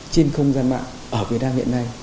trên không gian mạng ở việt nam hiện nay